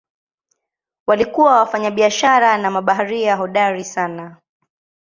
Walikuwa wafanyabiashara na mabaharia hodari sana.